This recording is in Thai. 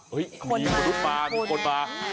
เฮ้ยมีธุรกิจปลามีธุรกิจฝนปลา